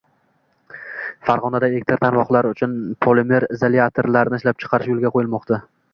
Farg‘onada elektr tarmoqlari uchun polimer izolyatorlarni ishlab chiqarish yo‘lga qo‘yilmoqdang